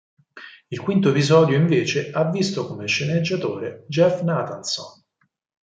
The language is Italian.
Il quinto episodio invece ha visto come sceneggiatore Jeff Nathanson.